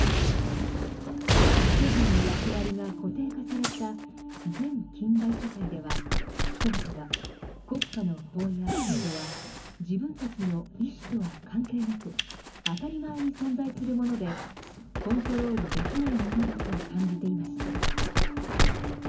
個人の役割が固定化された前近代社会では人々は国家の法や制度は自分たちの意志とは関係なく当たり前に存在するものでコントロールできないものだと感じていました。